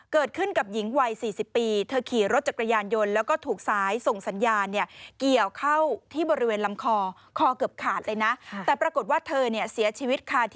เกิดขึ้นกับหญิงวัย๔๐ปี